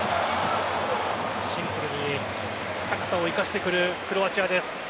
シンプルに高さを生かしてくるクロアチアです。